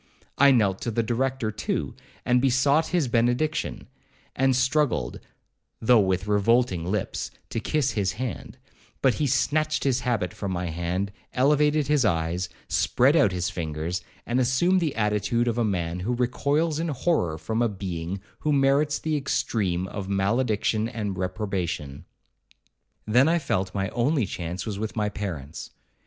I knelt to the Director too, and besought his benediction, and struggled, though with revolting lips, to kiss his hand; but he snatched his habit from my hand, elevated his eyes, spread out his fingers, and assumed the attitude of a man who recoils in horror from a being who merits the extreme of malediction and reprobation. Then I felt my only chance was with my parents.